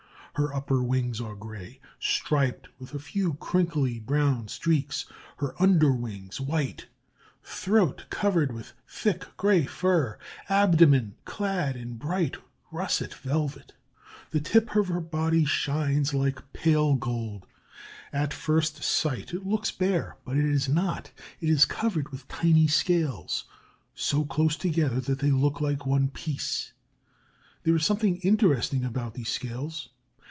Her upper wings are gray, striped with a few crinkly brown streaks; her under wings white; throat covered with thick gray fur; abdomen clad in bright russet velvet. The tip end of her body shines like pale gold. At first sight it looks bare, but it is not: it is covered with tiny scales, so close together that they look like one piece. There is something interesting about these scales.